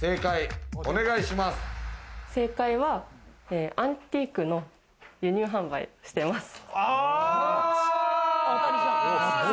正解はアンティークの輸入販売をしてます。